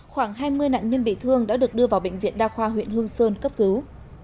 khoảng hai mươi nạn nhân bị thương đã được đưa vào bệnh viện đa khoa huyện hương sơn cấp cứu